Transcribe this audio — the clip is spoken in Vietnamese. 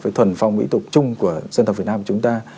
với thuần phong mỹ tục chung của dân tộc việt nam của chúng ta